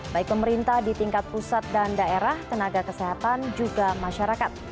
baik pemerintah di tingkat pusat dan daerah tenaga kesehatan juga masyarakat